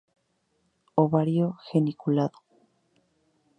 Ovario geniculado.